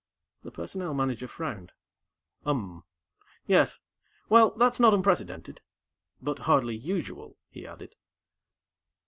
The Personnel Manager frowned. "Um. Yes. Well, that's not unprecedented." "But hardly usual," he added.